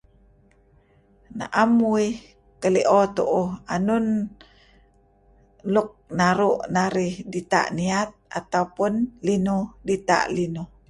Naem uh kelio tuuh nun luk naru' narih dita' niat atau pun linuh dita' linuh.